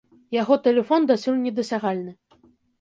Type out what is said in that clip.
Яго тэлефон дасюль недасягальны.